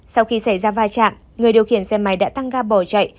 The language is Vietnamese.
sau khi xảy ra va chạm người điều khiển xe máy đã tăng ga bỏ chạy